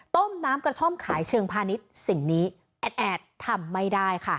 ต้มน้ำกระท่อมขายเชิงพาณิชย์สิ่งนี้แอดแอดทำไม่ได้ค่ะ